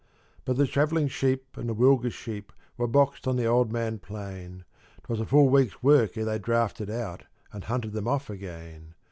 But the travelling sheep and the Wilga sheep were boxed on the Old Man Plain. 'Twas a full week's work ere they drafted out and hunted them off again.